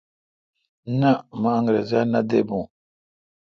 نہ مہ انگرزا نہ دے بھو۔